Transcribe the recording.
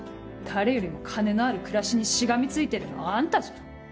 誰よりも金のある暮らしにしがみついてるのはあんたじゃん。